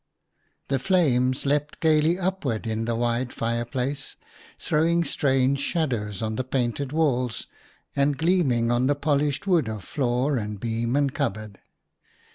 The flames leapt gaily upward in the wide fireplace, throwing strange shadows on the painted walls and gleaming on the polished wood of floor and beam and cupboard.